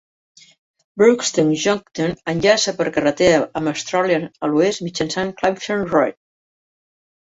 Brunswick Junction enllaça per carretera amb Australind a l'oest, mitjançant Clifton Road.